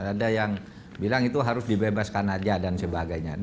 ada yang bilang itu harus dibebaskan aja dan sebagainya